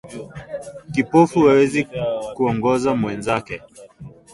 Kipofu awezi kuongoza mwenzake